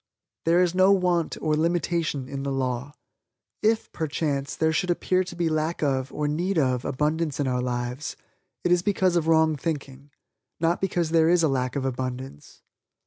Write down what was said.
There is no want or limitation in the law. If, perchance, there should appear to be lack of, or need of, abundance in our lives, it is because of wrong thinking not because there is a lack of abundance.